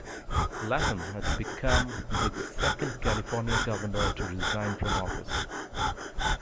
Latham had become the second California Governor to resign from office.